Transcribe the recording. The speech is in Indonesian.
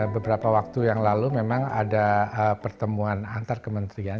beberapa waktu yang lalu memang ada pertemuan antar kementerian